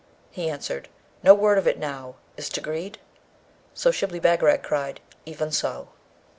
He answered, 'No word of it now. Is't agreed?' So Shibli Bagarag cried, 'Even so.'